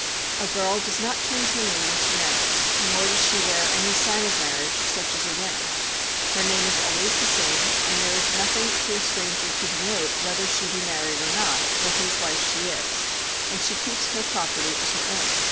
A girl does not change her name when she marries, nor does she wear any sign of marriage, such as a ring. Her name is always the same, and there is nothing to a stranger to denote whether she be married or not, or whose wife she is; and she keeps her property as her own.